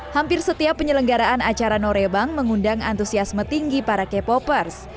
hampir setiap penyelenggaraan acara norebang mengundang antusiasme tinggi para k popers